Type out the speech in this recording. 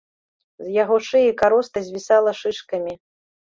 З яго шыі кароста звісала шышкамі.